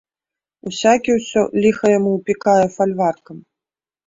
Усякі ўсё, ліха яму, упікае фальваркам.